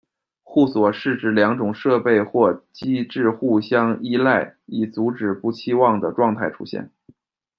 互锁是指两种设备或机制互相依赖，以阻止不期望的状态出现。